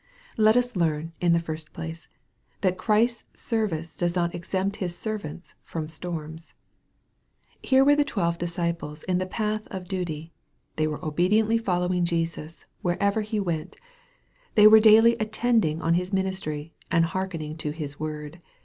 Let us learn, in the first place, that Christ's service does not exempt His servants from storms. Here were the twelve disciples in the path of duty. They were obediently following Jesus, wherever he went. They were daily attending on His ministry, and hearkening to His word.